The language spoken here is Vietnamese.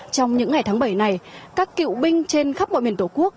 trong những ngày tháng bảy này các cựu binh trên khắp mọi miền tổ quốc